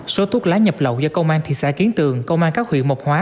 số thuốc lá nhập lậu do công an thị xã kiến tường công an các huyện mộc hóa